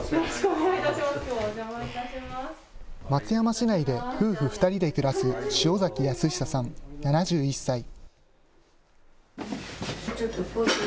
松山市内で夫婦２人で暮らす塩崎恭久さん７１歳。